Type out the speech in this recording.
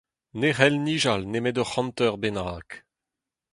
Ne c'hell nijal nemet ur c'hant eur bennak.